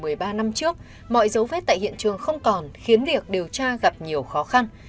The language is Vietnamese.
trước năm trước mọi dấu vết tại hiện trường không còn khiến việc điều tra gặp nhiều khó khăn